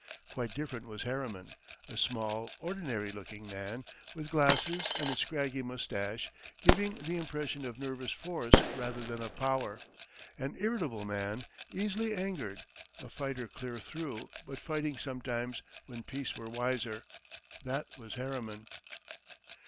Quite different was Harriman; a small, ordinary looking man, with glasses and a scraggy mustache, giving the impression of nervous force rather than of power; an irritable man, easily angered; a fighter clear through, but fighting sometimes when peace were wiser that was Harriman.